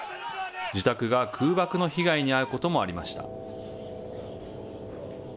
自宅が空爆の被害に遭うこともありました。